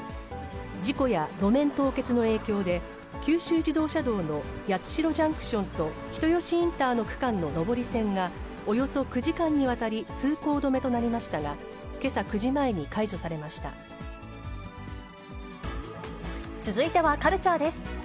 事故や路面凍結の影響で、九州自動車道の八代ジャンクションと人吉インターの区間の上り線が、およそ９時間にわたり通行止めとなりましたが、けさ９時前に続いてはカルチャーです。